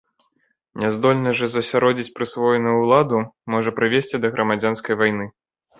Няздольнасць жа засяродзіць прысвоеную ўладу можа прывесці да грамадзянскай вайны.